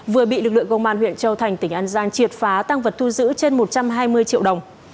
vừa bị lực lượng công an huyện châu thành tỉnh an giang triệt phá tăng vật thu giữ trên một trăm hai mươi triệu đồng